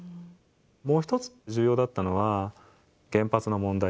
もう一つ重要だったのは原発の問題